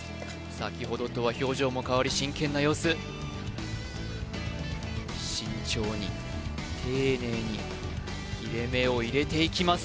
先ほどとは表情も変わり真剣な様子慎重に丁寧に切れ目を入れていきます